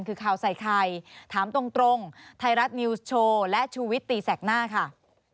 คือข่าวใส่ไข่ถามตรงไทยรัฐนิวส์โชว์และชูวิตตีแสกหน้าค่ะ